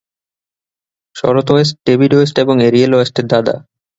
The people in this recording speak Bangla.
শরৎ ওয়েস্ট, ডেভিড ওয়েস্ট এবং এরিয়েল ওয়েস্টের দাদা।